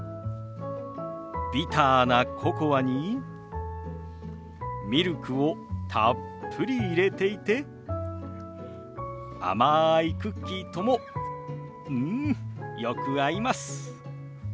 ビターなココアにミルクをたっぷり入れていて甘いクッキーともうんよく合います。